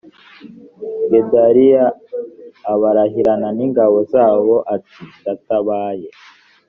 gedaliya abarahirana n ingabo zabo ati ndatabaye